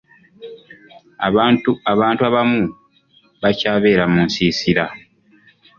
Abantu abamu bakyabeera mu nsiisira